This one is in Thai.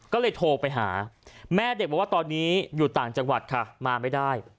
ก็เลยโทรไปหาแม่เด็กบอกว่าตอนนี้อยู่ต่างจังหวัดค่ะมาไม่ได้